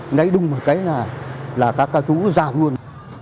ngay đúng là các chú rào luôn